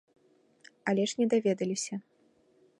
Але ж не даведаліся.